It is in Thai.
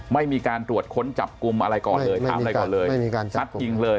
ไม่มีการตรวจค้นจับกุมอะไรก่อนเลยไม่มีการไม่มีการจับจริงเลย